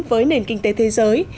với nền kinh tế thế giới